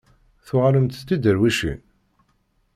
Tuɣalemt d tiderwicin?